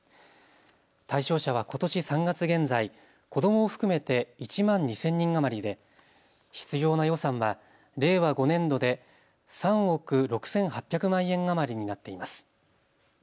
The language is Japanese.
対象者はことし３月現在、子どもを含めて１万２０００人余りで必要な予算は令和５年度で３億６８００万円余りになっています。